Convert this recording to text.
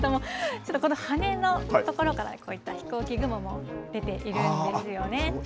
ちょっとこの羽の所からこういった飛行機雲も出ているんですよね。